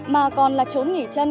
mà còn là chốn nghỉ chân